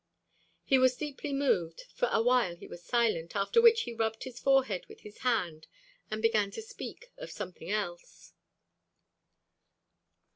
He was deeply moved. For a while he was silent, after which he rubbed his forehead with his hand and began to speak of something else.